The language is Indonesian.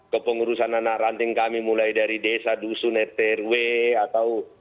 kepengurusan anak ranting kami mulai dari desa dusun rtrw atau